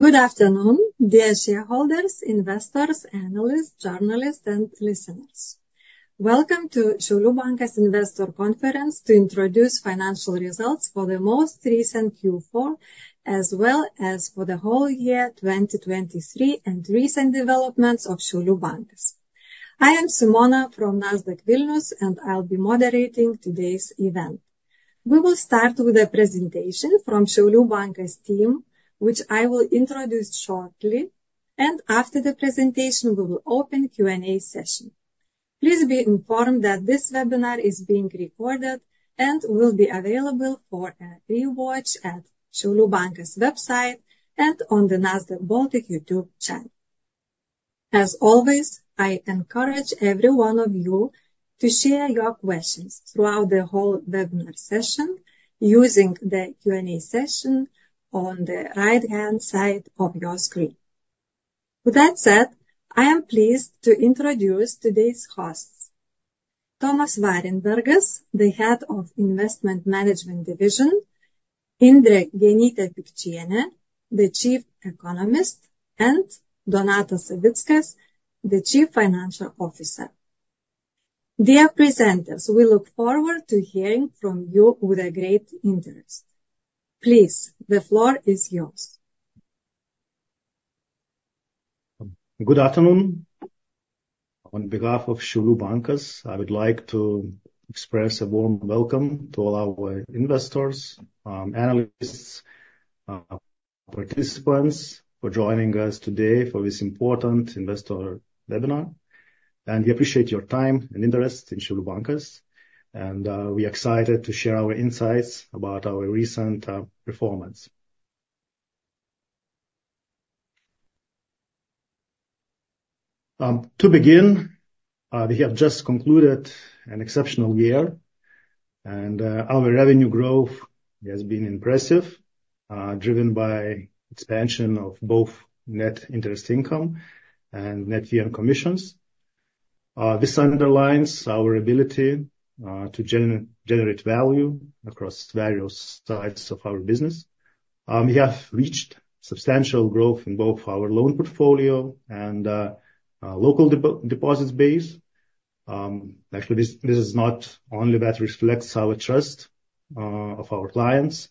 Good afternoon, dear shareholders, investors, analysts, journalists, and listeners. Welcome to Šiaulių Bankas Investor Conference to introduce financial results for the most recent Q4, as well as for the whole year, 2023, and recent developments of Šiaulių Bankas. I am Simona from Nasdaq Vilnius, and I'll be moderating today's event. We will start with a presentation from Šiaulių Bankas team, which I will introduce shortly, and after the presentation, we will open Q&A session. Please be informed that this webinar is being recorded and will be available for a re-watch at Šiaulių Bankas website and on the Nasdaq Baltic YouTube channel. As always, I encourage every one of you to share your questions throughout the whole webinar session, using the Q&A session on the right-hand side of your screen. With that said, I am pleased to introduce today's hosts, Tomas Varenbergas, the Head of Investment Management Division, Indrė Genytė-Pikčienė, the Chief Economist, and Donatas Savickas, the Chief Financial Officer. Dear presenters, we look forward to hearing from you with a great interest. Please, the floor is yours. Good afternoon. On behalf of Šiaulių Bankas, I would like to express a warm welcome to all our investors, analysts, participants for joining us today for this important investor webinar. We appreciate your time and interest in Šiaulių Bankas, and we're excited to share our insights about our recent performance. To begin, we have just concluded an exceptional year, and our revenue growth has been impressive, driven by expansion of both net interest income and net fee and commissions. This underlines our ability to generate value across various sides of our business. We have reached substantial growth in both our loan portfolio and local deposits base. Actually, this is not only that reflects our trust of our clients,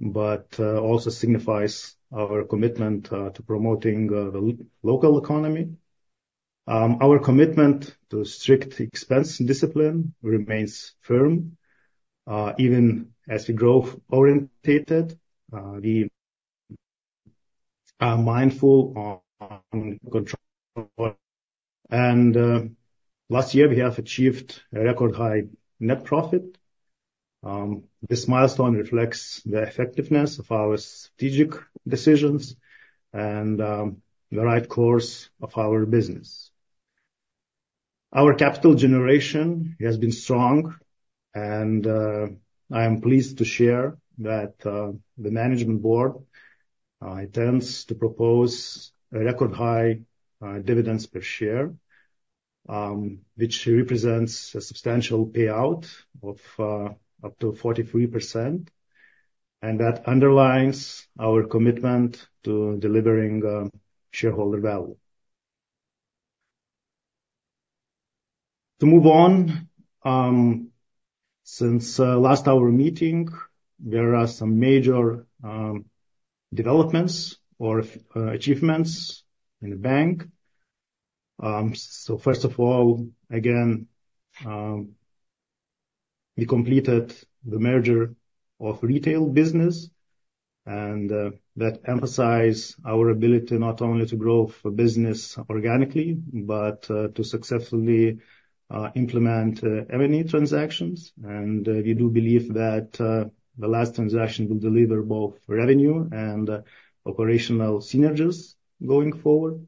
but also signifies our commitment to promoting the local economy. Our commitment to strict expense discipline remains firm, even as we growth-oriented, we are mindful on control. Last year, we have achieved a record high net profit. This milestone reflects the effectiveness of our strategic decisions and the right course of our business. Our capital generation has been strong and I am pleased to share that the management board intends to propose a record high dividends per share, which represents a substantial payout of up to 43%, and that underlines our commitment to delivering shareholder value. To move on, since last our meeting, there are some major developments or achievements in the bank. So first of all, again, we completed the merger of retail business, and that emphasize our ability not only to grow for business organically, but to successfully implement M&A transactions. And we do believe that the last transaction will deliver both revenue and operational synergies going forward.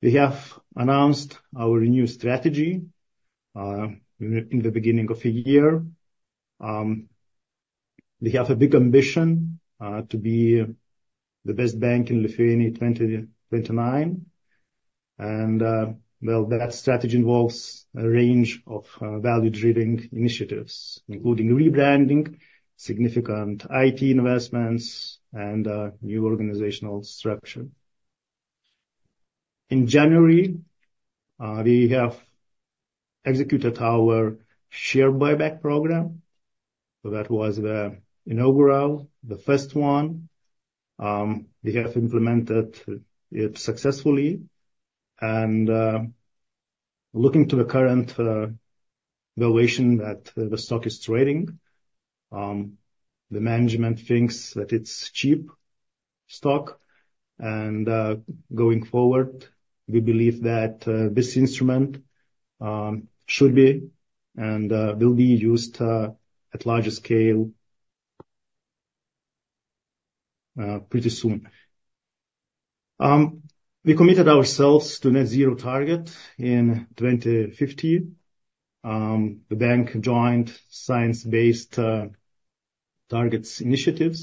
We have announced our new strategy in the beginning of the year. We have a big ambition to be the best bank in Lithuania, 2029. And well, that strategy involves a range of value-driven initiatives, including rebranding, significant IT investments, and new organizational structure. In January, we have executed our share buyback program. So that was the inaugural, the first one. We have implemented it successfully and, looking to the current, valuation that the stock is trading, the management thinks that it's cheap stock. And, going forward, we believe that, this instrument, should be and, will be used, at larger scale, pretty soon. We committed ourselves to net zero target in 2050. The bank joined Science Based Targets initiative,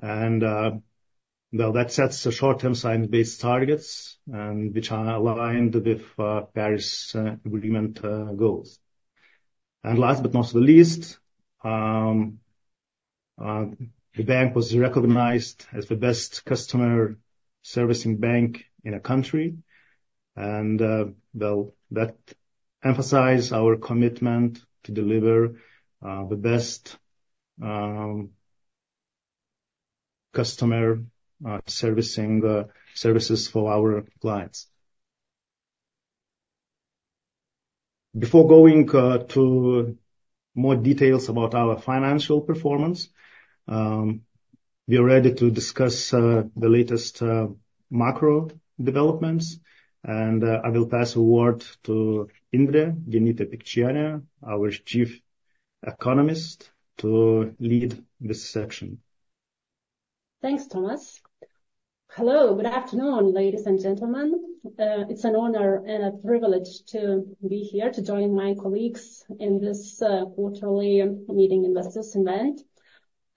and, well, that sets the short-term science-based targets and which are aligned with, Paris Agreement, goals. And last but not the least, the bank was recognized as the best customer servicing bank in the country, and, well, that emphasize our commitment to deliver, the best, customer, servicing, services for our clients. Before going to more details about our financial performance, we are ready to discuss the latest macro developments, and I will pass a word to Indrė Genytė-Pikčienė, our Chief Economist, to lead this section. Thanks, Tomas. Hello, good afternoon, ladies and gentlemen. It's an honor and a privilege to be here to join my colleagues in this quarterly meeting investors event.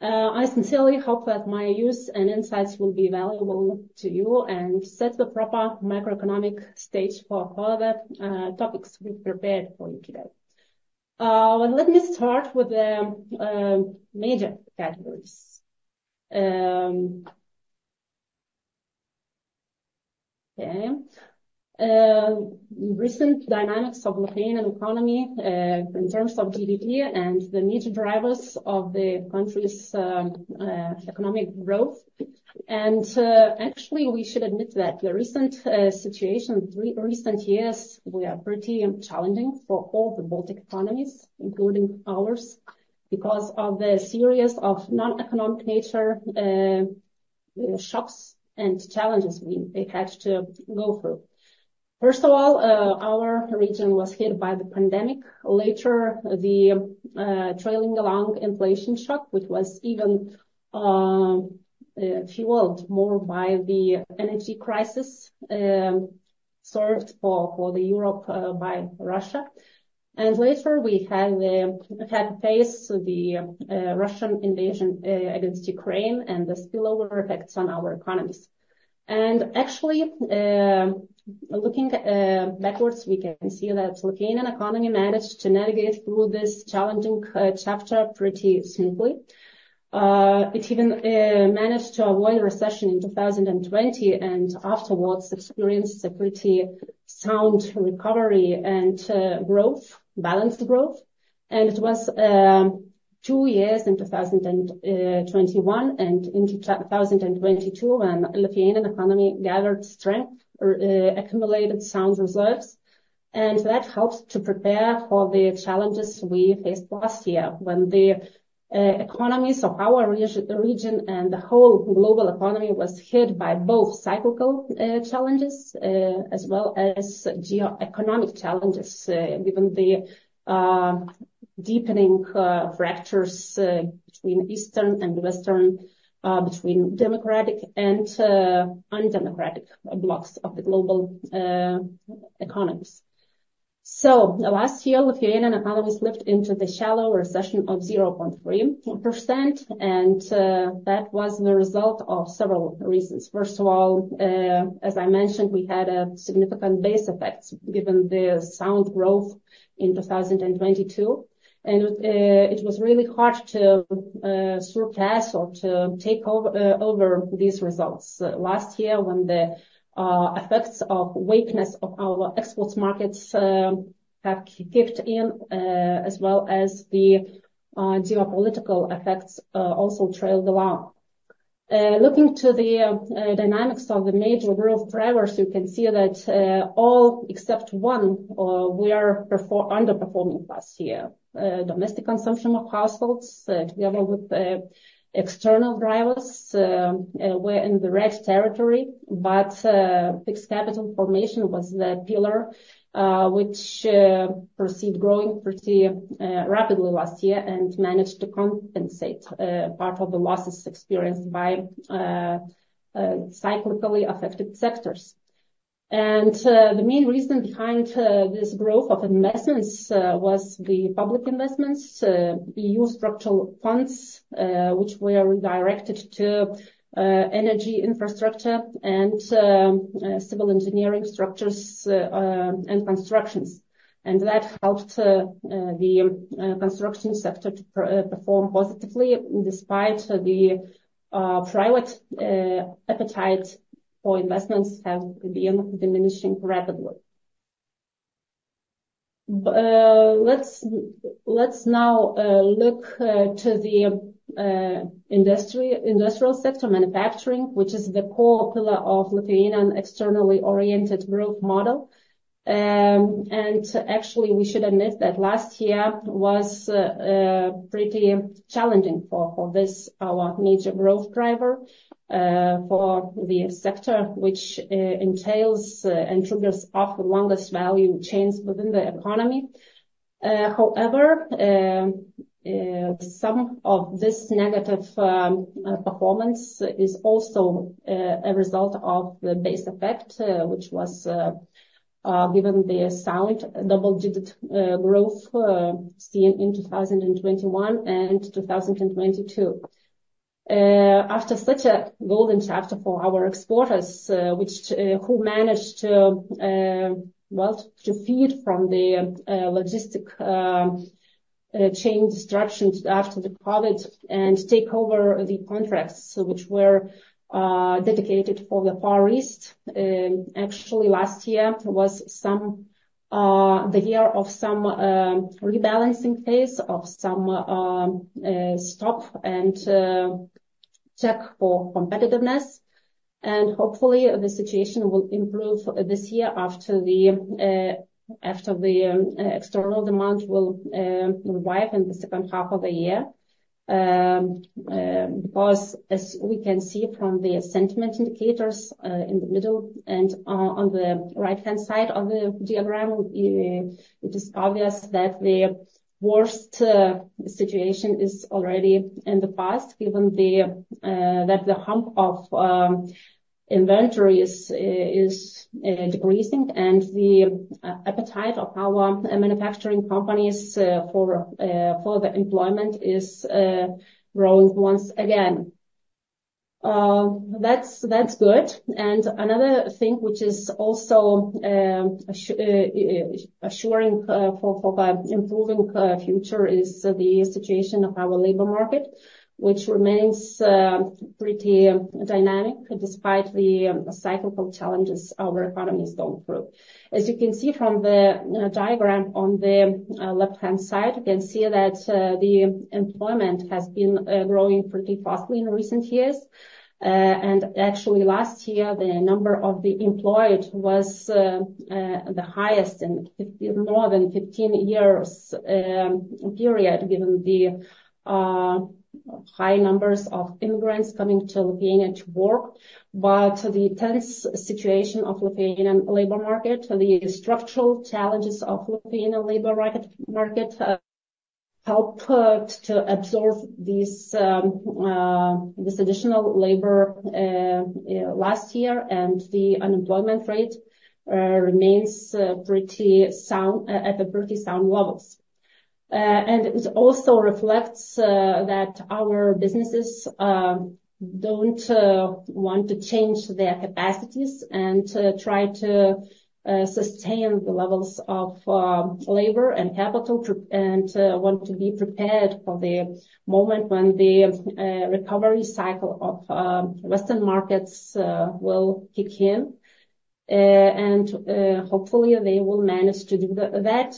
I sincerely hope that my views and insights will be valuable to you and set the proper macroeconomic stage for all the topics we've prepared for you today. Let me start with the major categories. Recent dynamics of Lithuanian economy in terms of GDP and the major drivers of the country's economic growth. Actually, we should admit that the recent situation, recent years were pretty challenging for all the Baltic economies, including ours, because of the series of non-economic nature shocks and challenges they had to go through. First of all, our region was hit by the pandemic. Later, the trailing along inflation shock, which was even fueled more by the energy crisis, served for the Europe by Russia. And later, we had had faced the Russian invasion against Ukraine and the spillover effects on our economies. And actually, looking backwards, we can see that Lithuanian economy managed to navigate through this challenging chapter pretty smoothly. It even managed to avoid a recession in 2020, and afterwards experienced a pretty sound recovery and growth, balanced growth. And it was two years in 2021 and in 2022, when Lithuanian economy gathered strength or accumulated sound reserves. And that helped to prepare for the challenges we faced last year, when the economies of our region and the whole global economy was hit by both cyclical challenges as well as geoeconomic challenges, given the deepening fractures between Eastern and Western, between democratic and undemocratic blocks of the global economies. So last year, Lithuanian economies slipped into the shallow recession of 0.3%, and that was the result of several reasons. First of all, as I mentioned, we had a significant base effect given the sound growth in 2022. And it was really hard to surpass or to take over these results. Last year, when the effects of weakness of our exports markets have kicked in, as well as the geopolitical effects also trailed along. Looking to the dynamics of the major growth drivers, you can see that, all except one, we are underperforming last year. Domestic consumption of households, together with the external drivers, were in the red territory, but fixed capital formation was the pillar which proceeded growing pretty rapidly last year and managed to compensate part of the losses experienced by cyclically affected sectors. The main reason behind this growth of investments was the public investments, EU structural funds, which were redirected to energy infrastructure and civil engineering structures and constructions. And that helped the construction sector to perform positively, despite the private appetite for investments have been diminishing rapidly. Let's now look to the industry, industrial sector, manufacturing, which is the core pillar of Lithuanian externally oriented growth model. And actually, we should admit that last year was pretty challenging for this, our major growth driver, for the sector, which entails and triggers off the longest value chains within the economy. However, some of this negative performance is also a result of the base effect, which was given the sound double-digit growth seen in 2021 and 2022.... After such a golden chapter for our exporters, who managed to, well, to feed from the logistics chain disruptions after the COVID and take over the contracts which were dedicated for the Far East. Actually, last year was the year of some rebalancing phase, of some stop and check for competitiveness. Hopefully, the situation will improve this year after the external demand will revive in the second half of the year. Because as we can see from the sentiment indicators in the middle and on the right-hand side of the diagram, it is obvious that the worst situation is already in the past, given that the hump of inventory is decreasing and the appetite of our manufacturing companies for the employment is growing once again. That's good. Another thing which is also assuring for the improving future is the situation of our labor market, which remains pretty dynamic despite the cyclical challenges our economies go through. As you can see from the diagram on the left-hand side, you can see that the employment has been growing pretty fastly in recent years. Actually last year, the number of the employed was the highest in more than 15 years, given the high numbers of immigrants coming to Lithuania to work. But the tense situation of Lithuanian labor market and the structural challenges of Lithuanian labor market helped to absorb this additional labor last year, and the unemployment rate remains pretty sound at the pretty sound levels. It also reflects that our businesses don't want to change their capacities and try to sustain the levels of labor and capital and want to be prepared for the moment when the recovery cycle of Western markets will kick in. And hopefully, they will manage to do that,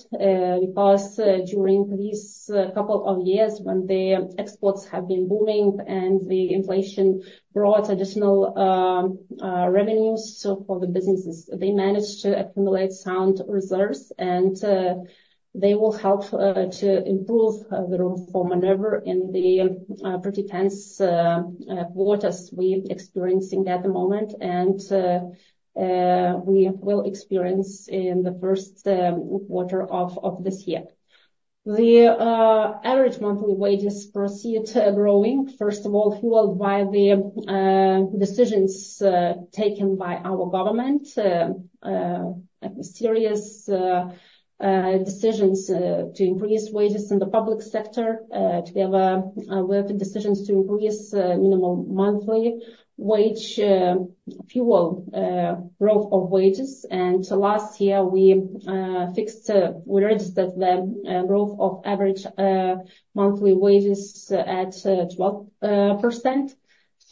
because during these couple of years, when the exports have been booming and the inflation brought additional revenues for the businesses, they managed to accumulate sound reserves, and they will help to improve the room for maneuver in the pretty tense waters we're experiencing at the moment and we will experience in the first quarter of this year. The average monthly wages proceed growing, first of all, fueled by the decisions taken by our government, serious decisions to increase wages in the public sector, together with decisions to increase minimum monthly wage, fueled growth of wages. Last year, we fixed, we registered the growth of average monthly wages at 12%.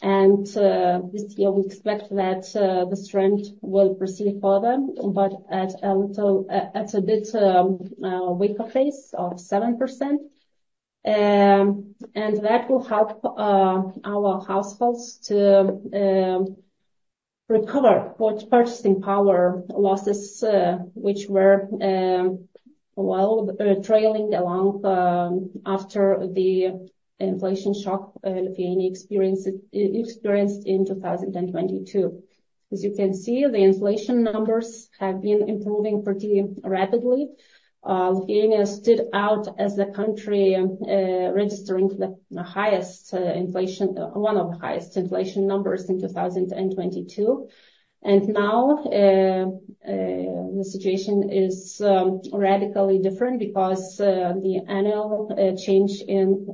This year, we expect that this trend will proceed further, but at a bit weaker pace of 7%. That will help our households to recover what purchasing power losses, which were well trailing along after the inflation shock Lithuania experienced in 2022. As you can see, the inflation numbers have been improving pretty rapidly. Lithuania stood out as a country registering the highest inflation, one of the highest inflation numbers in 2022. And now, the situation is radically different because the annual change in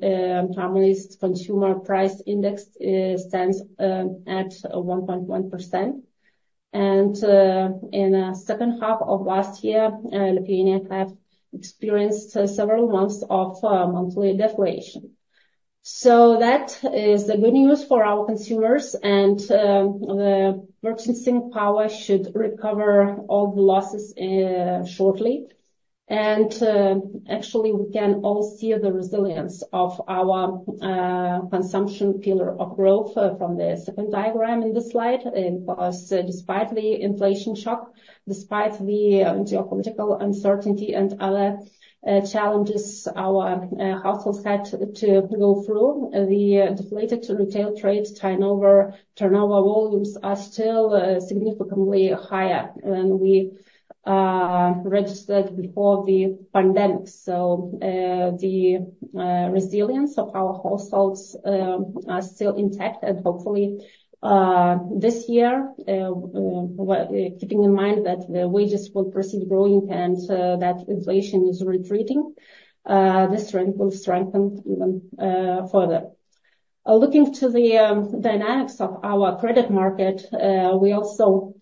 Harmonized Consumer Price Index stands at 1.1%. And, in second half of last year, Lithuania have experienced several months of monthly deflation. So that is the good news for our consumers, and the purchasing power should recover all the losses shortly. And, actually, we can all see the resilience of our consumption pillar of growth from the second diagram in this slide. Because despite the inflation shock, despite the geopolitical uncertainty and other challenges our households had to go through, the deflated retail trades turnover volumes are still significantly higher than we registered before the pandemic. So, the resilience of our households are still intact. Hopefully, this year, well, keeping in mind that the wages will proceed growing and that inflation is retreating, this trend will strengthen even further. Looking to the dynamics of our credit market, we also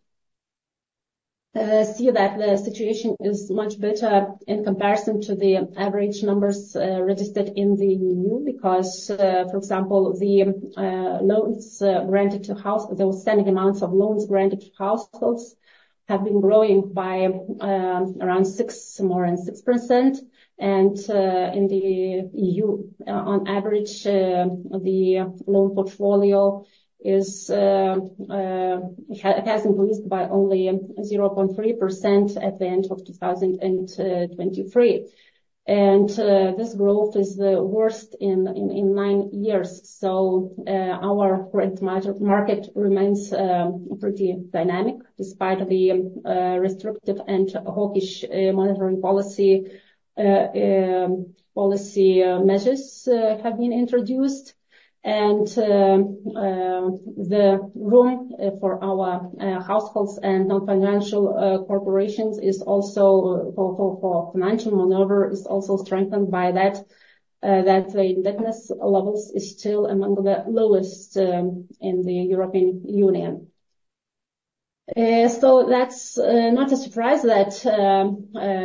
see that the situation is much better in comparison to the average numbers registered in the EU, because, for example, the loans granted to house, the outstanding amounts of loans granted to households have been growing by around six, more than 6%. And in the EU, on average, the loan portfolio has increased by only 0.3% at the end of 2023. And this growth is the worst in nine years. So, our current market remains pretty dynamic despite the restrictive and hawkish monetary policy measures have been introduced. And the room for our households and non-financial corporations is also for financial maneuver, is also strengthened by that the debt levels is still among the lowest in the European Union. So that's not a surprise that,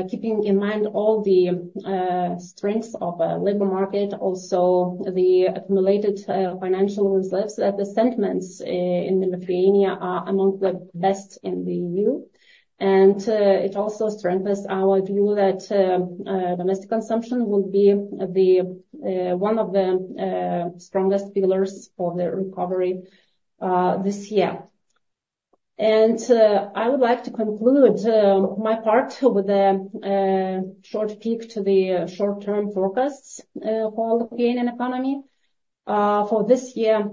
keeping in mind all the strengths of labor market, also the accumulated financial reserves, that the sentiments in Lithuania are among the best in the EU. And it also strengthens our view that domestic consumption will be one of the strongest pillars for the recovery this year. I would like to conclude my part with a short peek to the short-term forecasts for Lithuanian economy. For this year,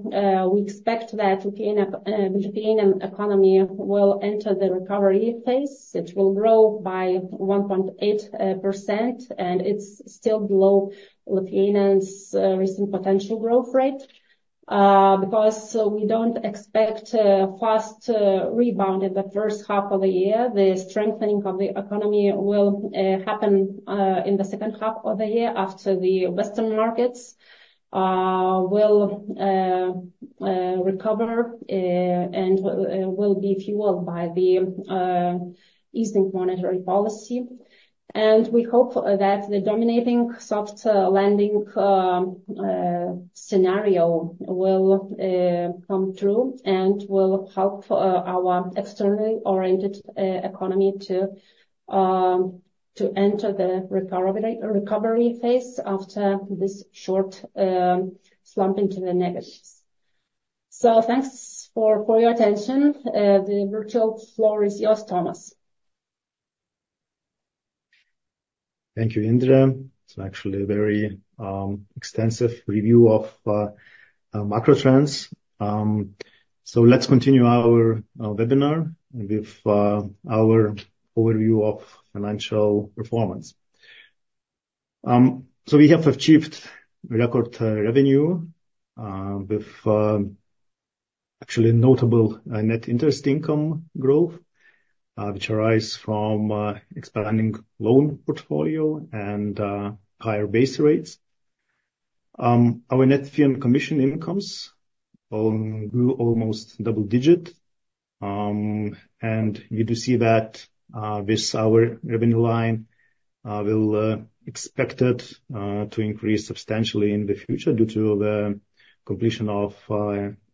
we expect that Lithuanian economy will enter the recovery phase. It will grow by 1.8%, and it's still below Lithuania's recent potential growth rate, because we don't expect a fast rebound in the first half of the year. The strengthening of the economy will happen in the second half of the year after the Western markets will recover and will be fueled by the easing monetary policy. And we hope that the dominating soft landing scenario will come through and will help our externally oriented economy to enter the recovery phase after this short slump into the negatives. So thanks for your attention. The virtual floor is yours, Tomas. Thank you, Indrė. It's actually a very extensive review of macro trends. So let's continue our webinar with our overview of financial performance. So we have achieved record revenue with actually notable net interest income growth, which arise from expanding loan portfolio and higher base rates. Our net fee and commission incomes grew almost double digit. And we do see that with our revenue line will expect it to increase substantially in the future due to the completion of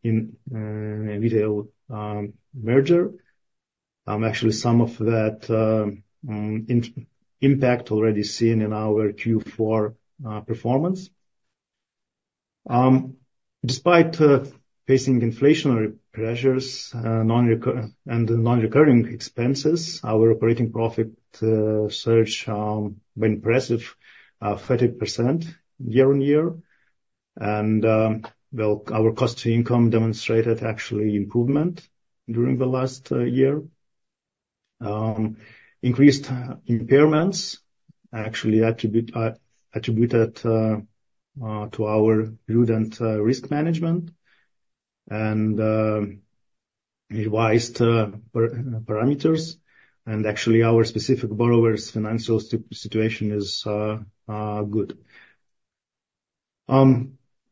in retail merger. Actually, some of that impact already seen in our Q4 performance. Despite facing inflationary pressures and non-recurring expenses, our operating profit surge were impressive 30% year-on-year. Well, our cost to income demonstrated actually improvement during the last year. Increased impairments actually attributed to our prudent risk management and revised parameters. Actually, our specific borrower's financial situation is good.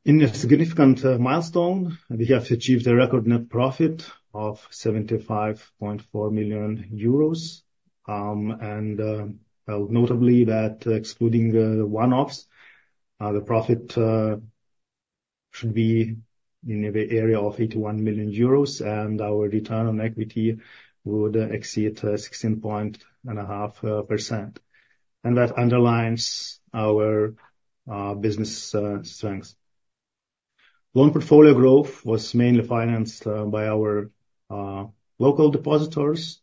In a significant milestone, we have achieved a record net profit of 75.4 million euros. Well, notably, that excluding the one-offs, the profit should be in the area of 81 million euros, and our return on equity would exceed 16.5%. That underlines our business strengths. Loan portfolio growth was mainly financed by our local depositors.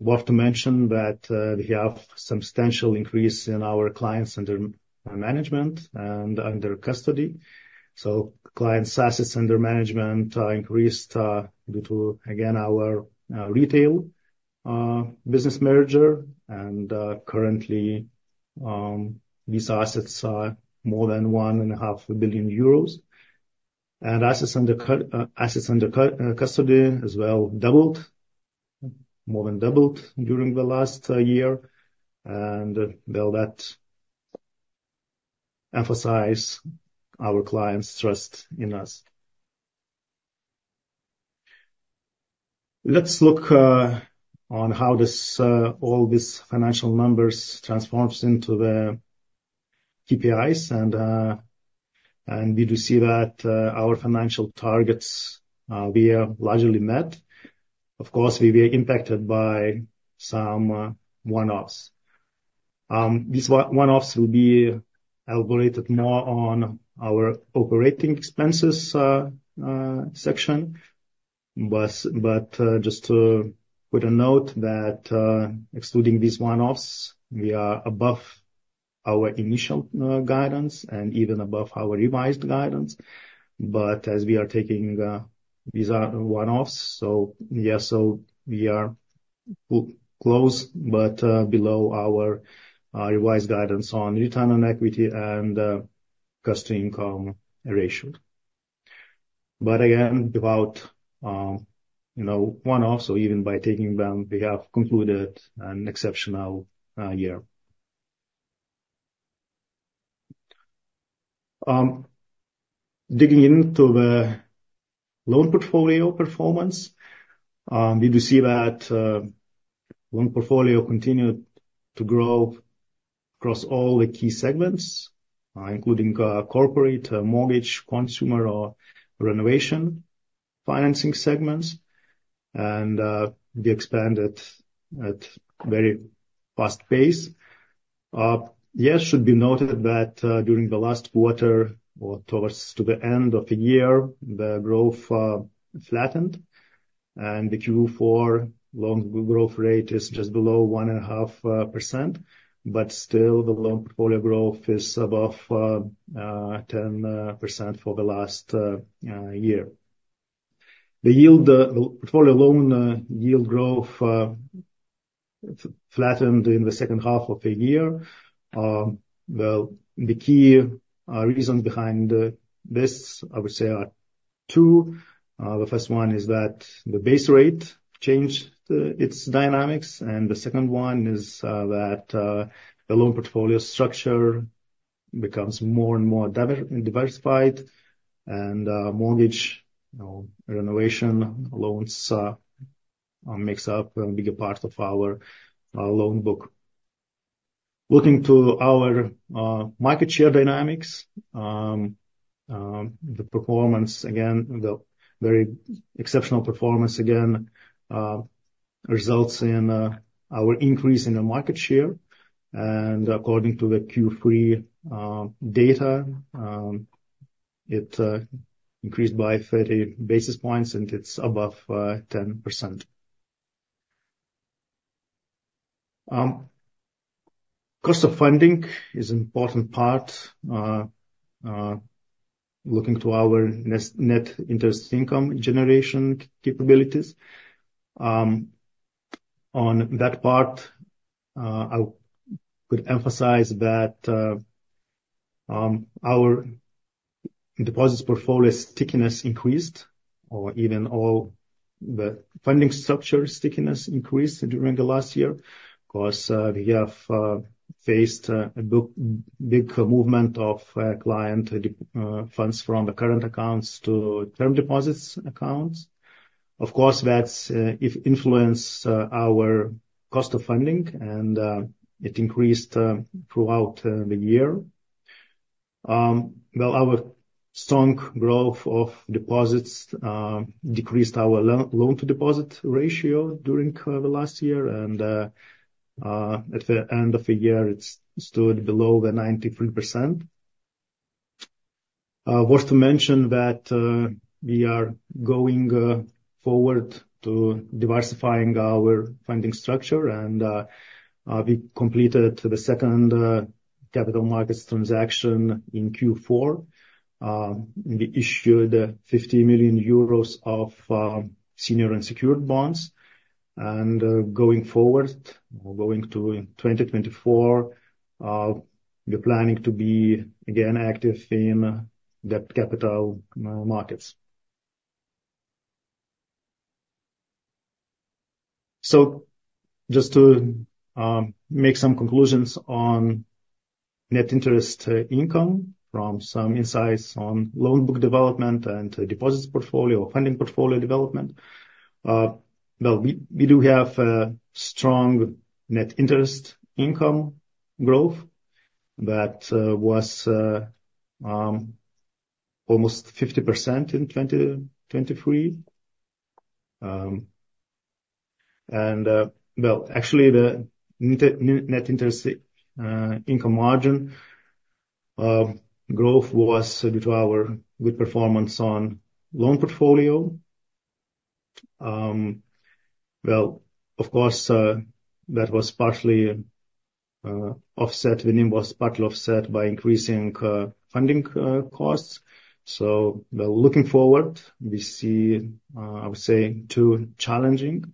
Worth to mention that we have substantial increase in our clients under management and under custody. So clients' assets under management increased due to, again, our retail business merger. Currently, these assets are more than 1.5 billion euros. Assets under custody as well doubled, more than doubled during the last year. Well, that emphasizes our clients' trust in us. Let's look on how this all these financial numbers transforms into the KPIs, and we do see that our financial targets we largely met. Of course, we were impacted by some one-offs. These one-offs will be aggregated more on our operating expenses section. But just to put a note that excluding these one-offs, we are above our initial guidance and even above our revised guidance. But as we are taking, these are one-offs, so yes, so we are close, but below our revised guidance on Return on Equity and Cost to Income Ratio. But again, without you know, one-offs or even by taking them, we have concluded an exceptional year. Digging into the loan portfolio performance, we do see that loan portfolio continued to grow across all the key segments, including corporate, mortgage, consumer or renovation financing segments, and we expanded at very fast pace. Yes, should be noted that during the last quarter or towards to the end of the year, the growth flattened, and the Q4 loan growth rate is just below 1.5%, but still the loan portfolio growth is above 10% for the last year. The yield, the portfolio loan yield growth flattened in the second half of the year. Well, the key reason behind this, I would say, are two. The first one is that the base rate changed its dynamics, and the second one is that the loan portfolio structure becomes more and more diversified, and mortgage, you know, renovation loans makes up a bigger part of our loan book. Looking to our market share dynamics, the performance, again, the very exceptional performance again, results in our increase in the market share. And according to the Q3 data, it increased by 30 basis points, and it's above 10%. Cost of funding is an important part looking to our net-net interest income generation capabilities. On that part, I would emphasize that our deposits portfolio stickiness increased, or even all the funding structure stickiness increased during the last year. Of course, we have faced a big, big movement of client funds from the current accounts to term deposits accounts. Of course, that it influences our cost of funding and it increased throughout the year. Well, our strong growth of deposits decreased our loan-to-deposit ratio during the last year and at the end of the year, it stood below 93%. Worth to mention that we are going forward to diversifying our funding structure and we completed the second capital markets transaction in Q4. We issued 50 million euros of senior unsecured bonds, and going forward, going to 2024, we're planning to be again active in the capital markets. So just to make some conclusions on net interest income from some insights on loan book development and deposits portfolio, funding portfolio development. Well, we do have a strong net interest income growth that was almost 50% in 2023. And well, actually, the net interest income margin growth was due to our good performance on loan portfolio. Well, of course, that was partially offset, and it was partly offset by increasing funding costs. So looking forward, we see, I would say, two challenging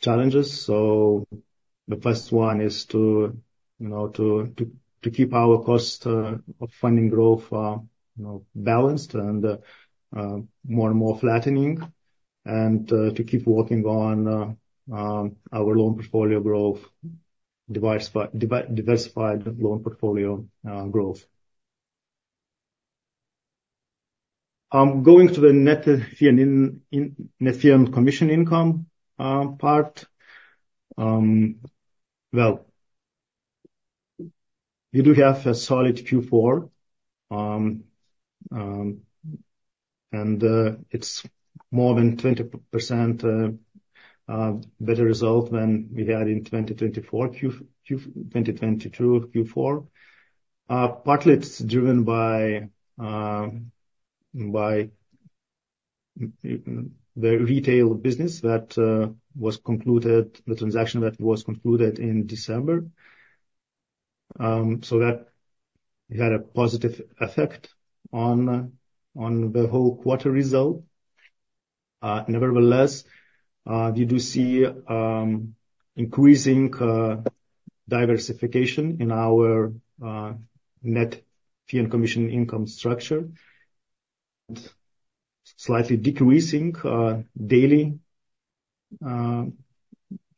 challenges. So the first one is to, you know, to keep our cost of funding growth, you know, balanced and more and more flattening... and to keep working on our loan portfolio growth, diversified loan portfolio growth. Going to the net fee and commission income part, well, we do have a solid Q4. And it's more than 20% better result than we had in 2022 Q4. Partly it's driven by the retail business that was concluded, the transaction that was concluded in December. So that had a positive effect on the whole quarter result. Nevertheless, we do see increasing diversification in our net fee and commission income structure. Slightly decreasing daily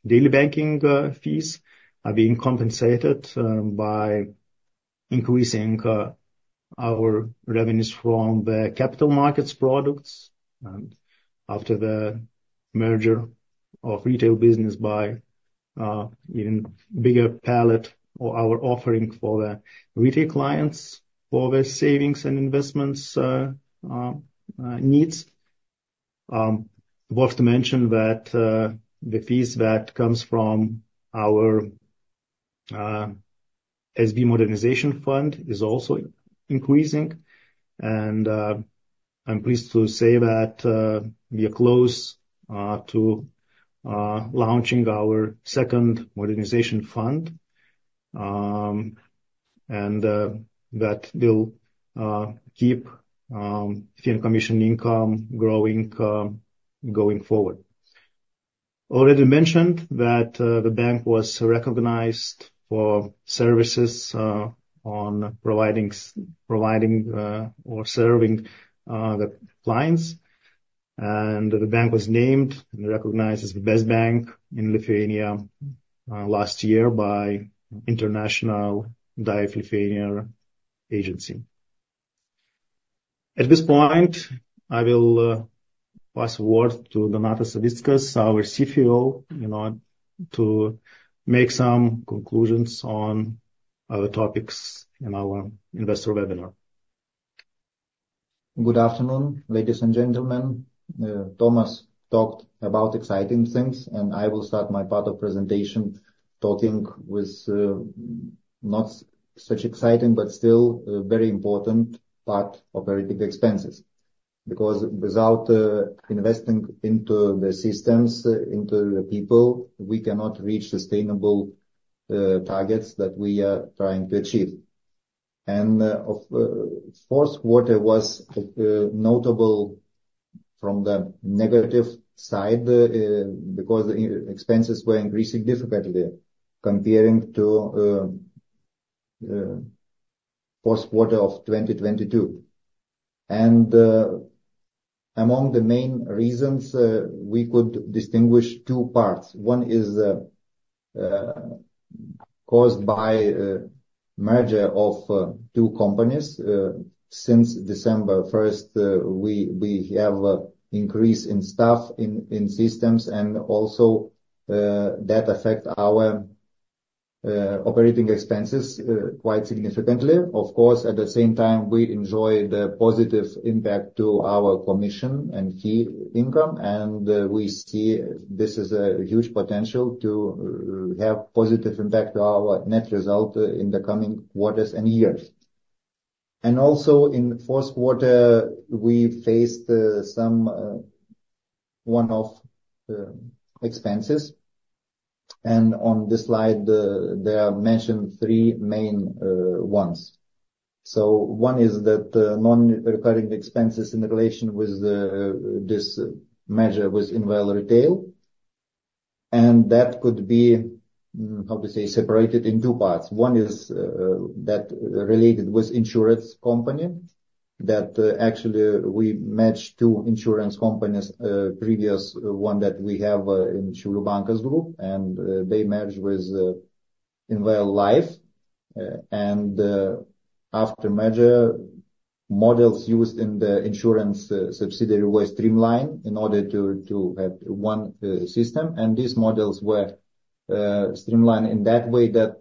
banking fees are being compensated by increasing our revenues from the capital markets products, and after the merger of retail business by even bigger palette or our offering for the retail clients for the savings and investments needs. Worth to mention that the fees that comes from our SB Modernization Fund is also increasing, and I'm pleased to say that we are close to launching our second modernization fund. That will keep fee and commission income growing going forward. Already mentioned that the bank was recognized for services on providing or serving the clients. The bank was named and recognized as the best bank in Lithuania last year by Dive Lietuva. At this point, I will pass a word to Donatas Savickas, our CFO, in order to make some conclusions on other topics in our investor webinar. Good afternoon, ladies and gentlemen. Tomas talked about exciting things, and I will start my part of presentation, talking about not such exciting, but still very important part, operating expenses. Because without investing into the systems, into the people, we cannot reach sustainable targets that we are trying to achieve. And the fourth quarter was notable from the negative side because expenses were increasing significantly comparing to fourth quarter of 2022. And among the main reasons, we could distinguish two parts. One is caused by merger of two companies. Since December 1, we have increase in staff, in systems and also that affect our operating expenses quite significantly. Of course, at the same time, we enjoy the positive impact to our commission and key income, and we see this as a huge potential to have positive impact to our net result in the coming quarters and years. Also in fourth quarter, we faced some one-off expenses. On this slide, there are mentioned three main ones. So one is that non-recurring expenses in relation with this merger with Invalda Retail, and that could be, how to say, separated in two parts. One is that related with insurance company, that actually, we merged two insurance companies, previous one that we have in Šiaulių Bankas group, and they merged with INVL Life. And after merger, models used in the insurance subsidiary were streamlined in order to have one system. These models were streamlined in that way that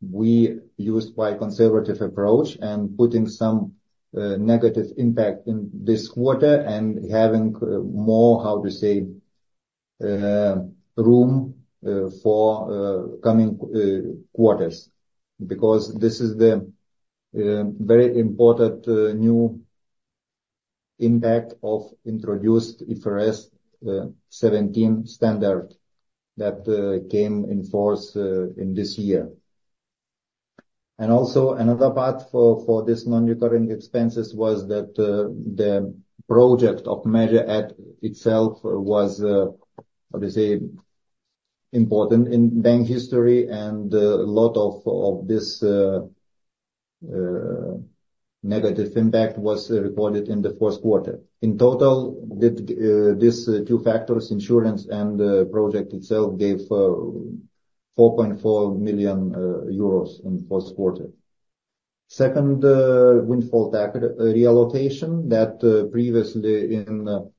we used by conservative approach and putting some negative impact in this quarter and having more, how to say, room for coming quarters. Because this is the very important new impact of introduced IFRS 17 standard that came in force in this year. And also another part for this non-recurring expenses was that the project of merger itself was, how to say, important in bank history and a lot of this negative impact was recorded in the first quarter. In total, with these two factors, insurance and the project itself, gave 4.4 million euros in the first quarter. Second, the windfall tax reallocation that, previously in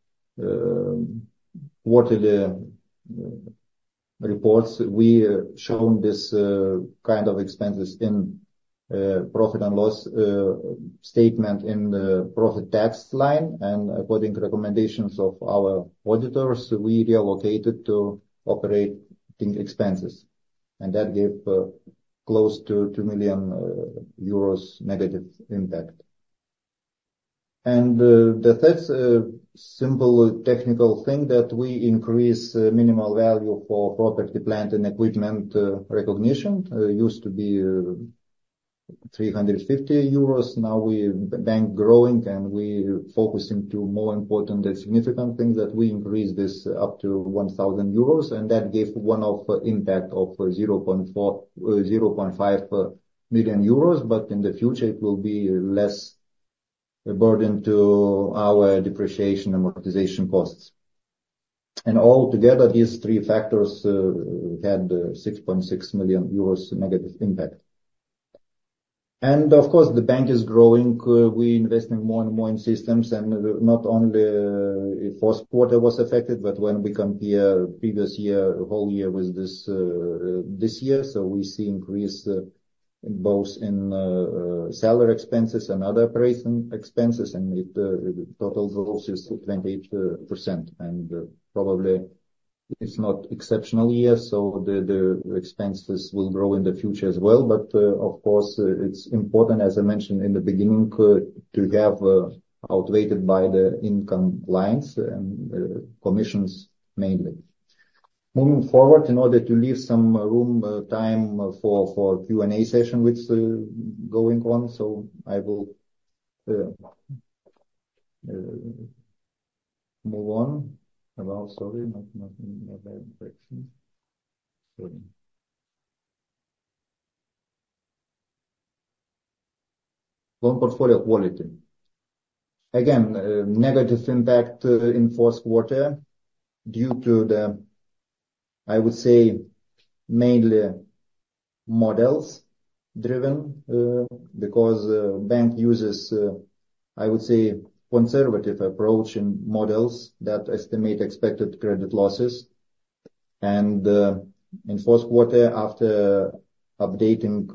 quarterly reports, we shown this kind of expenses in profit and loss statement in the profit tax line, and according to recommendations of our auditors, we reallocated to operating expenses, and that gave close to 2 million euros negative impact. The third, simple technical thing, that we increase minimal value for property, plant, and equipment recognition. Used to be 350 euros, now the bank growing, and we focusing to more important and significant things, that we increase this up to 1,000 euros, and that gave one-off impact of 0.4-0.5 million euros, but in the future, it will be less a burden to our depreciation and amortization costs. All together, these three factors had 6.6 million euros negative impact. And of course, the bank is growing. We invest more and more in systems, and not only first quarter was affected, but when we compare previous year, whole year with this this year, so we see increase in both salary expenses and other operating expenses, and it totals also is 28%. And probably it's not exceptional year, so the expenses will grow in the future as well, but of course, it's important, as I mentioned in the beginning, to have outweighed by the income lines and commissions mainly. Moving forward, in order to leave some room time for Q&A session, which is going on, so I will move on. Well, sorry, not very excellent. Sorry. Loan portfolio quality. Again, negative impact in first quarter due to the, I would say, mainly models driven, because bank uses, I would say, conservative approach in models that estimate expected credit losses. And, in fourth quarter, after updating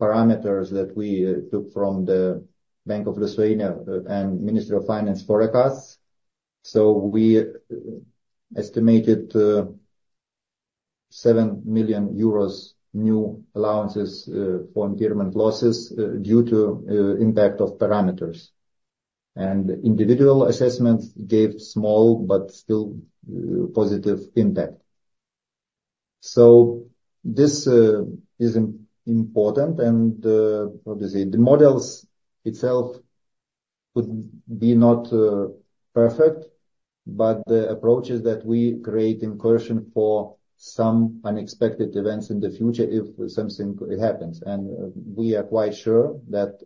parameters that we took from the Bank of Lithuania and Ministry of Finance forecasts, so we estimated 7 million euros new allowances for impairment losses due to impact of parameters. And individual assessments gave small but still positive impact. So this is important and the models itself would be not perfect, but the approach is that we create provision for some unexpected events in the future if something happens, and we are quite sure that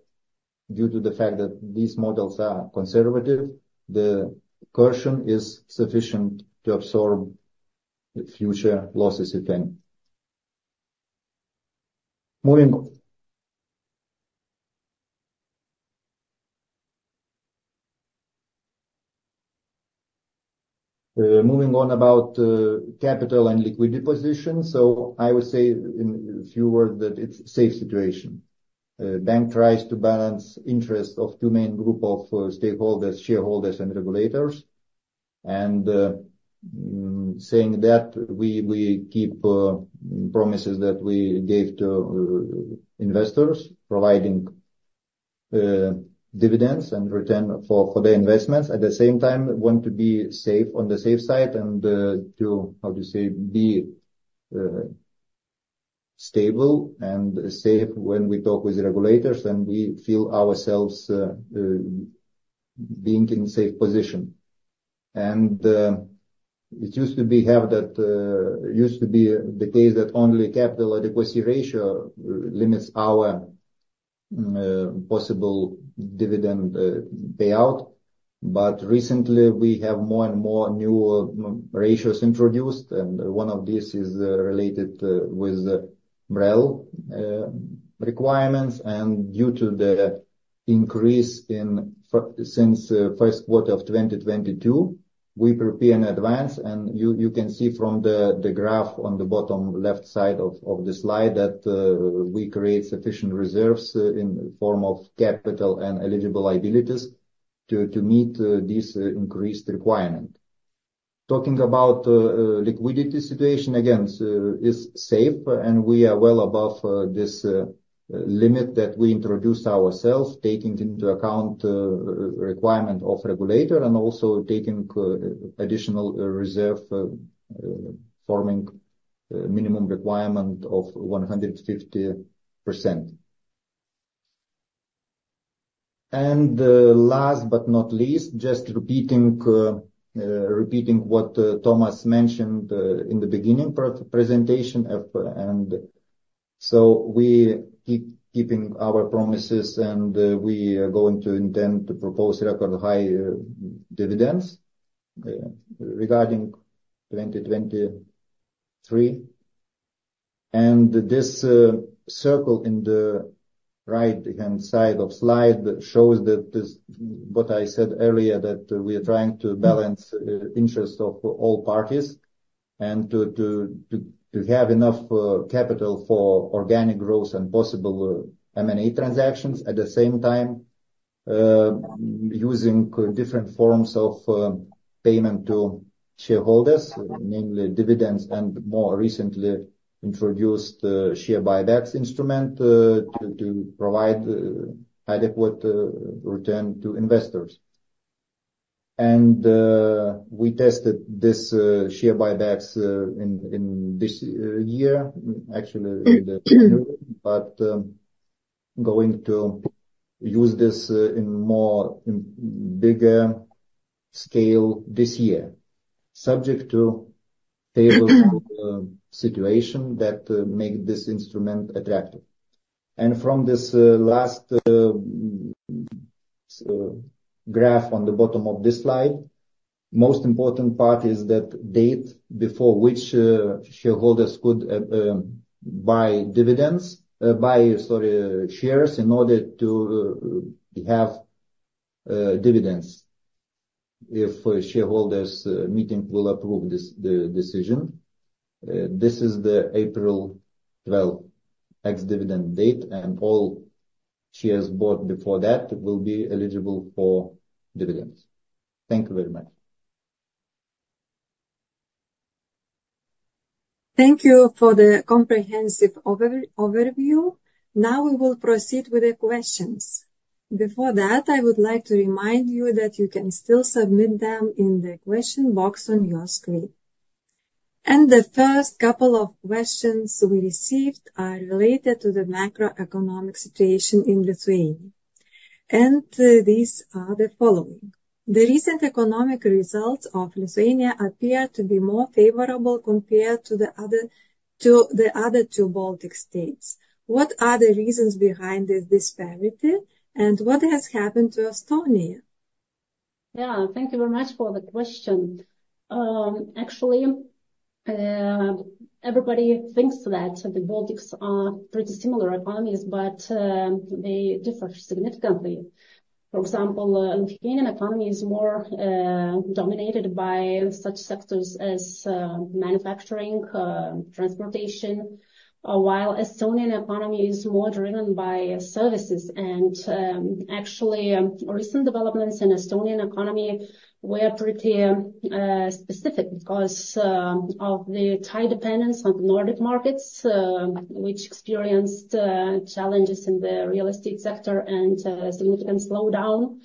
due to the fact that these models are conservative, the cushion is sufficient to absorb the future losses, if any. Moving on. Moving on about capital and liquidity position. So I would say in fewer words that it's safe situation. Bank tries to balance interest of two main group of stakeholders, shareholders, and regulators. And saying that, we keep promises that we gave to investors, providing dividends and return for the investments. At the same time, want to be safe on the safe side and, to, how to say, be, stable and safe when we talk with the regulators, and we feel ourselves, being in a safe position. And, it used to be the case that only capital adequacy ratio limits our, possible dividend, payout, but recently we have more and more new, ratios introduced, and one of these is, related, with the MREL, requirements. And due to the increase since first quarter of 2022, we prepare in advance, and you can see from the graph on the bottom left side of the slide that, we create sufficient reserves, in the form of capital and eligible liabilities to, meet, this increased requirement. Talking about liquidity situation, again, is safe, and we are well above this limit that we introduced ourselves, taking into account requirement of regulator and also taking additional reserve forming minimum requirement of 150%.... And last but not least, just repeating what Tomas mentioned in the beginning part of the presentation. And so we are keeping our promises, and we are going to intend to propose record high dividends regarding 2023. And this circle in the right-hand side of slide shows that this, what I said earlier, that we are trying to balance interest of all parties and to have enough capital for organic growth and possible M&A transactions. At the same time, using different forms of payment to shareholders, namely dividends, and more recently introduced share buybacks instrument to provide adequate return to investors. And we tested this share buybacks in this year. Actually, but going to use this in more in bigger scale this year, subject to favorable situation that make this instrument attractive. And from this last graph on the bottom of this slide, most important part is that date, before which shareholders could buy dividends, buy, sorry, shares, in order to have dividends. If shareholders meeting will approve this, the decision, this is the April 12 ex-dividend date, and all shares bought before that will be eligible for dividends. Thank you very much. Thank you for the comprehensive overview. Now we will proceed with the questions. Before that, I would like to remind you that you can still submit them in the question box on your screen. And the first couple of questions we received are related to the macroeconomic situation in Lithuania, and these are the following: The recent economic results of Lithuania appear to be more favorable compared to the other two Baltic states. What are the reasons behind this disparity, and what has happened to Estonia? Yeah, thank you very much for the question. Actually, everybody thinks that the Baltics are pretty similar economies, but they differ significantly. For example, Lithuanian economy is more dominated by such sectors as manufacturing, transportation, while Estonian economy is more driven by services. And actually, recent developments in Estonian economy were pretty specific because of the tight dependence on Nordic markets, which experienced challenges in the real estate sector and significant slowdown.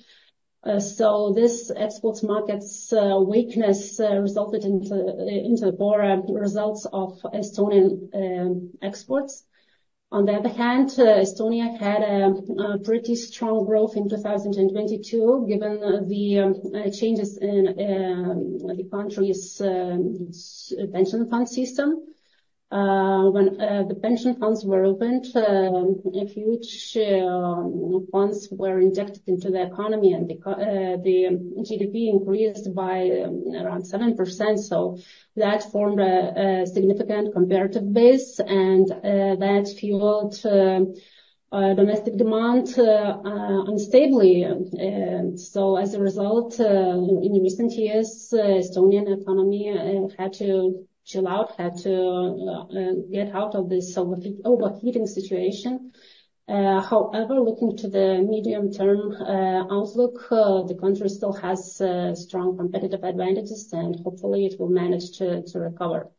So this export market's weakness resulted into poorer results of Estonian exports. On the other hand, Estonia had a pretty strong growth in 2022, given the changes in the country's pension fund system. When the pension funds were opened, huge funds were injected into the economy, and the GDP increased by around 7%. So that formed a significant comparative base, and that fueled domestic demand unstably. So as a result, in recent years, Estonian economy had to chill out, had to get out of this overheating situation. However, looking to the medium-term outlook, the country still has strong competitive advantages, and hopefully it will manage to recover.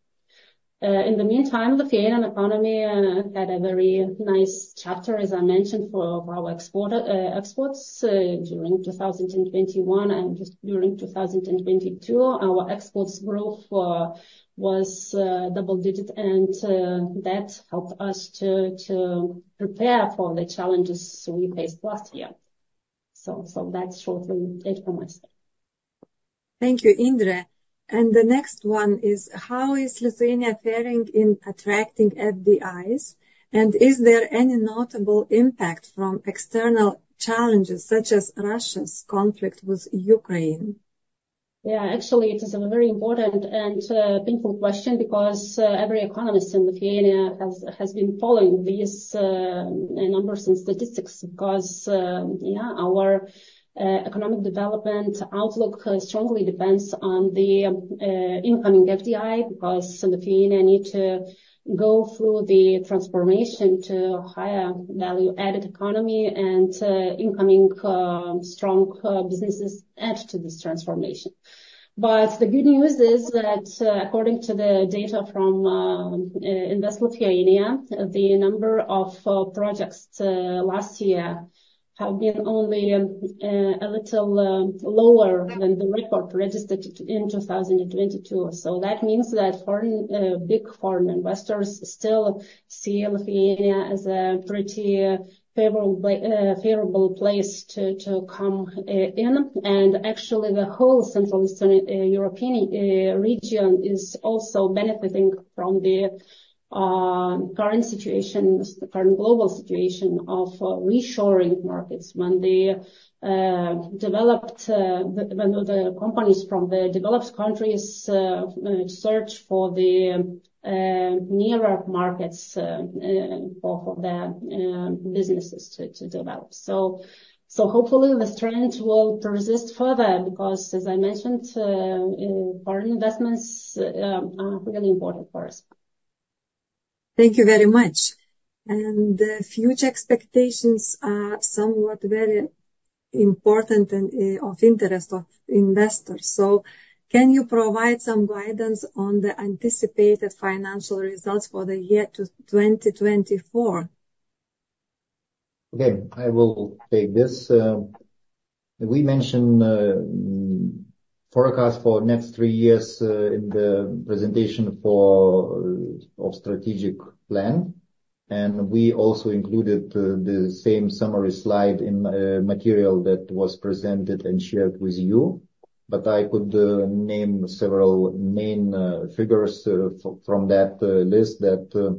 In the meantime, the Lithuanian economy had a very nice chapter, as I mentioned, for our exports. During 2021 and just during 2022, our exports growth was double-digit, and that helped us to prepare for the challenges we faced last year. So, that's shortly it from my side. Thank you, Indrė. And the next one is: How is Lithuania faring in attracting FDIs? And is there any notable impact from external challenges such as Russia's conflict with Ukraine? Yeah, actually, it is a very important and painful question because every economist in Lithuania has been following these numbers and statistics, because yeah, our economic development outlook strongly depends on the incoming FDI, because Lithuania need to go through the transformation to higher value added economy and incoming strong businesses add to this transformation. But the good news is that according to the data from Invest Lithuania, the number of projects last year have been only a little lower than the record registered in 2022. So that means that foreign big foreign investors still see Lithuania as a pretty favorable place to come in. And actually, the whole Central Eastern European region is also benefiting from the current situation, the current global situation of reshoring markets when the developed, when the companies from the developed countries search for the nearer markets for the businesses to develop. So hopefully, this trend will persist further, because as I mentioned, foreign investments are really important for us. ... Thank you very much. And, future expectations are somewhat very important and, of interest of investors. So can you provide some guidance on the anticipated financial results for the year to 2024? Okay, I will take this. We mentioned forecast for next three years in the presentation of strategic plan, and we also included the same summary slide in material that was presented and shared with you. But I could name several main figures from that list. That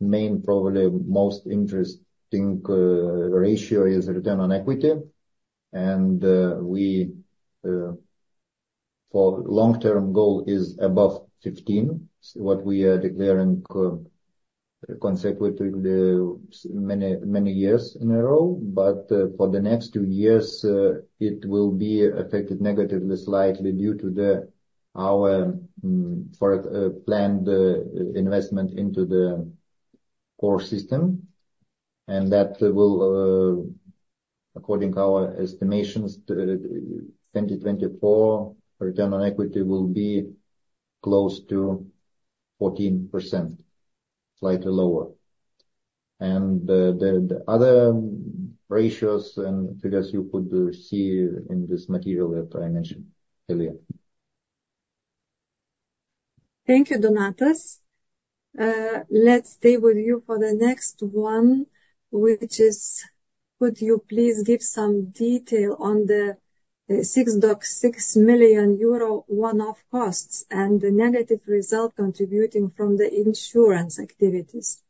main, probably most interesting, ratio is Return on Equity. And our long-term goal is above 15%, what we are declaring consequently the many, many years in a row. But for the next two years, it will be affected negatively, slightly due to our planned investment into the core system. And that will, according to our estimations, the 2024 Return on Equity will be close to 14%, slightly lower. The other ratios and figures you could see in this material that I mentioned earlier. Thank you, Donatas. Let's stay with you for the next one, which is: could you please give some detail on the 6 million euro one-off costs and the negative result contributing from the insurance activities?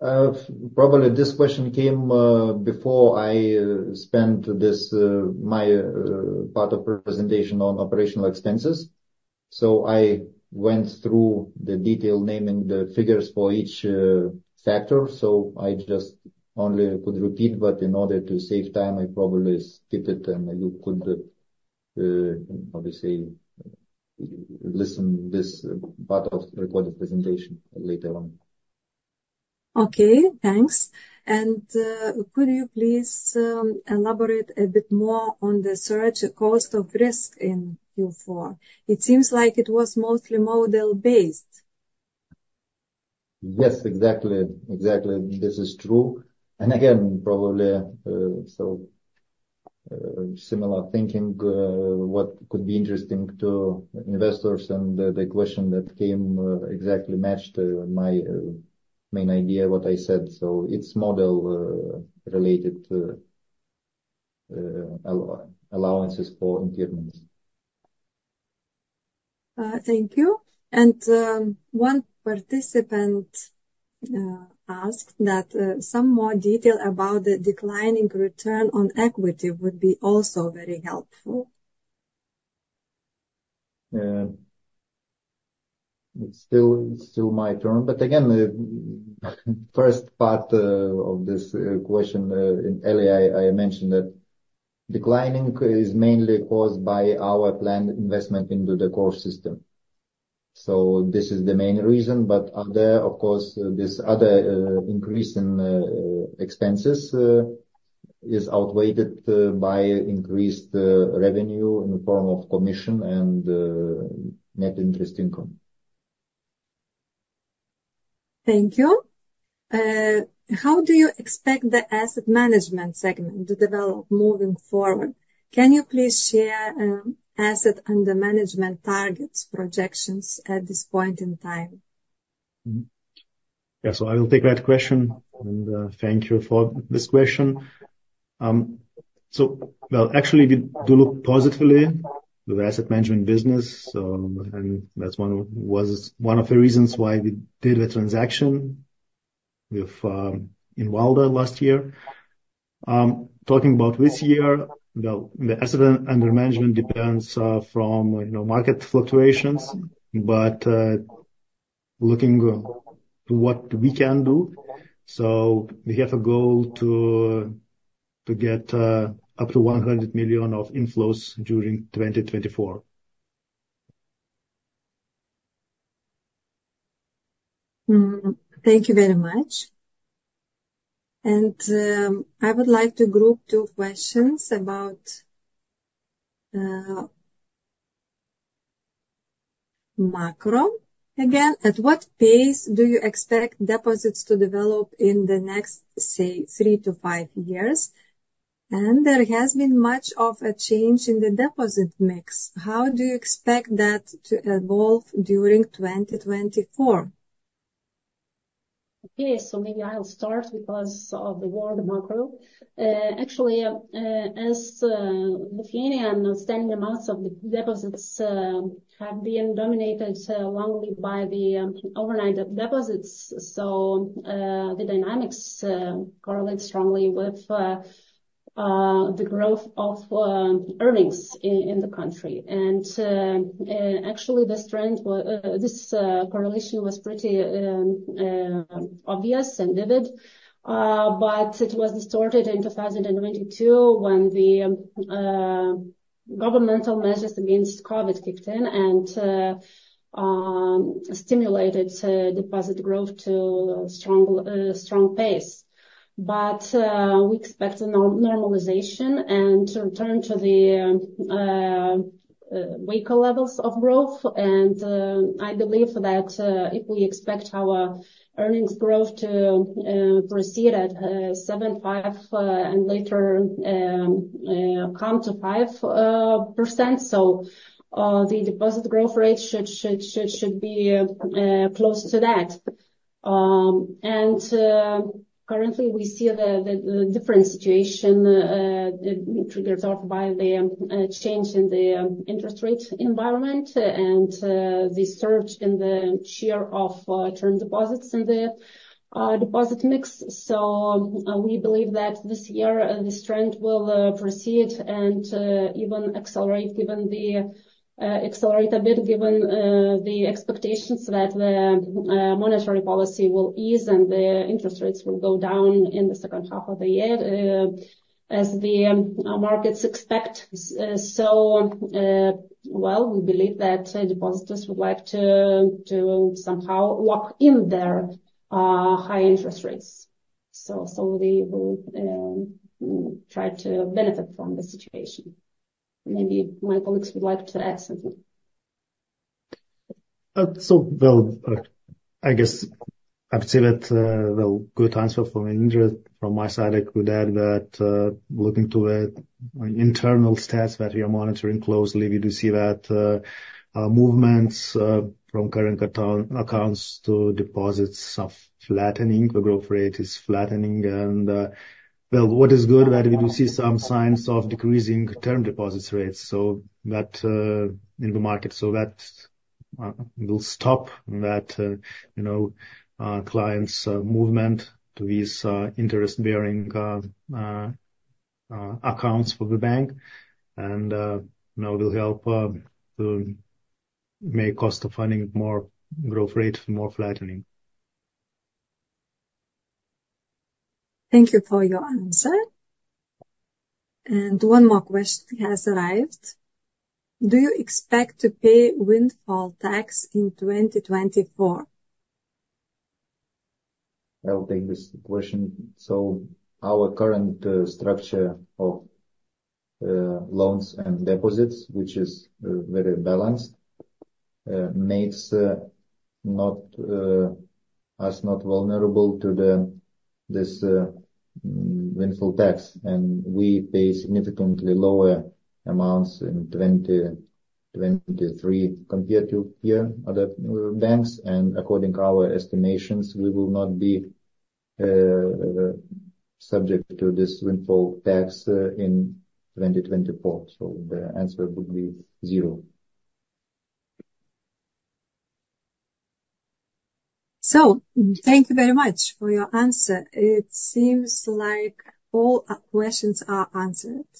Probably this question came before I spent this my part of presentation on operational expenses. So I went through the detail, naming the figures for each factor. So I just only could repeat, but in order to save time, I probably skip it and you could how to say, listen this part of recorded presentation later on. Okay, thanks. Could you please elaborate a bit more on the surge cost of risk in Q4? It seems like it was mostly model based. Yes, exactly. Exactly, this is true. Again, probably, similar thinking, what could be interesting to investors and the question that came exactly matched my main idea, what I said. It's model related to allowances for impairments. Thank you. One participant asked that some more detail about the declining return on equity would be also very helpful. Yeah. It's still, still my turn, but again, the first part of this question, earlier I, I mentioned that declining is mainly caused by our planned investment into the core system. So this is the main reason, but other, of course, this other increase in expenses is outweighed by increased revenue in the form of commission and net interest income. Thank you. How do you expect the asset management segment to develop moving forward? Can you please share asset under management targets projections at this point in time? Yeah, so I will take that question, and thank you for this question. So, well, actually, we do look positively with asset management business, so, and that's one of... was one of the reasons why we did a transaction with Invalda last year. Talking about this year, the asset under management depends from, you know, market fluctuations, but looking to what we can do, so we have a goal to get up to 100 million of inflows during 2024. Thank you very much. And, I would like to group two questions about macro. Again, at what pace do you expect deposits to develop in the next, say, three to five years? And there has been much of a change in the deposit mix. How do you expect that to evolve during 2024? Okay, so maybe I'll start because of the word macro. Actually, as Lithuanian outstanding amounts of the deposits have been dominated wrongly by the overnight deposits. So, the dynamics correlate strongly with the growth of earnings in the country. And, actually, the strength of this correlation was pretty obvious and vivid, but it was distorted in 2022, when the governmental measures against COVID kicked in and stimulated deposit growth to strong pace. But, we expect a normalization and to return to the weaker levels of growth. I believe that if we expect our earnings growth to proceed at 7.5 and later come to 5%, so the deposit growth rate should be close to that. And currently, we see the different situation triggered off by the change in the interest rate environment and the surge in the share of term deposits in the deposit mix. So we believe that this year, this trend will proceed and even accelerate a bit, given the expectations that the monetary policy will ease and the interest rates will go down in the second half of the year, as the markets expect. So, well, we believe that depositors would like to, to somehow lock in their high interest rates. So, so they will try to benefit from the situation. Maybe my colleagues would like to add something. So, well, I guess I would say that, well, good answer from Ingrid. From my side, I could add that, looking to the internal stats that we are monitoring closely, we do see that movements from current account accounts to deposits are flattening, the growth rate is flattening. Well, what is good, that we do see some signs of decreasing term deposits rates, so that in the market, so that will stop that, you know, clients' movement to these interest-bearing accounts for the bank and, you know, will help to make cost of funding more growth rate, more flattening. Thank you for your answer. One more question has arrived: Do you expect to pay windfall tax in 2024? I'll take this question. So our current structure of loans and deposits, which is very balanced, makes not us not vulnerable to the this windfall tax. And we pay significantly lower amounts in 2023 compared to other other banks, and according to our estimations, we will not be subject to this windfall tax in 2024. So the answer would be zero. So thank you very much for your answer. It seems like all questions are answered.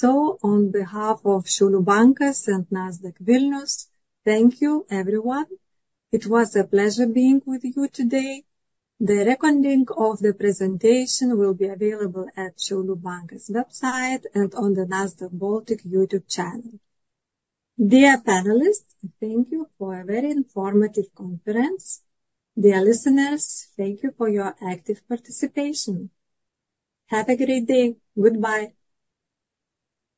So on behalf of Šiaulių Bankas and Nasdaq Vilnius, thank you, everyone. It was a pleasure being with you today. The recording of the presentation will be available at Šiaulių Bankas website and on the Nasdaq Baltic YouTube channel. Dear panelists, thank you for a very informative conference. Dear listeners, thank you for your active participation. Have a great day. Goodbye.